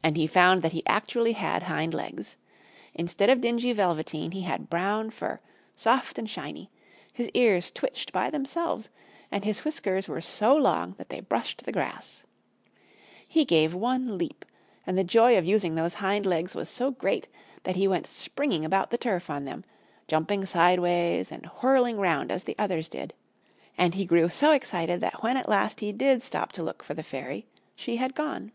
And he found that he actually had hind legs! Instead of dingy velveteen he had brown fur, soft and shiny, his ears twitched by themselves, and his whiskers were so long that they brushed the grass. He gave one leap and the joy of using those hind legs was so great that he went springing about the turf on them, jumping sideways and whirling round as the others did, and he grew so excited that when at last he did stop to look for the Fairy she had gone.